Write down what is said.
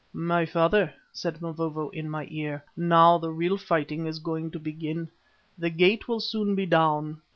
"My father," said Mavovo in my ear, "now the real fighting is going to begin. The gate will soon be down.